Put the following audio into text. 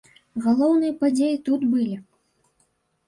Галоўныя падзеі тут былі!